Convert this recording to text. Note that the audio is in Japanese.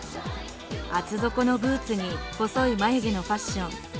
厚底のブーツに細い眉毛のファッション。